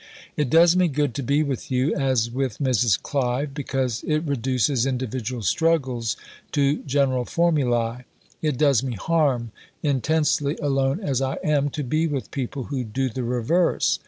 It does me good to be with you, as with Mrs. Clive, because it reduces individual struggles to general formulæ. It does me harm, intensely alone as I am, to be with people who do the reverse.